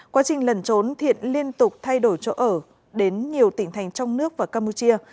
quá trình lần trốn thiện liên tục thay đổi chỗ ở đến nhiều tỉnh thành trong nước và campuchia